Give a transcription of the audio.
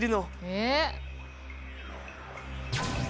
えっ！？